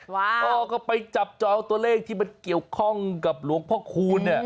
พ่อก็ไปจับจองตัวเลขที่มันเกี่ยวข้องกับหลวงพ่อคูณเนี่ย